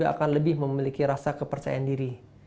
akan lebih memiliki rasa kepercayaan diri